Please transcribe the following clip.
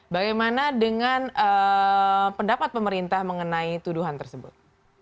bagaimana dengan pendapat pemerintah mengenai tuduhan tersebut